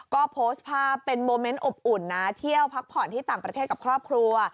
ก็โพสต์ภาพเป็นโมเมนต์อบอุ่นนะเที่ยวพักผ่อนที่ต่างประเทศกับครอบครัว